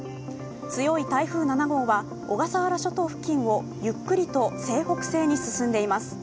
強い台風７号は小笠原諸島付近をゆっくりと西北西に進んでいます。